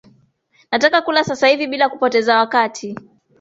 Nataka kula sasa hivi bila kupoteza wakati